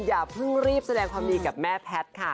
อย่าเพิ่งรีบแสดงความดีกับแม่แพทย์ค่ะ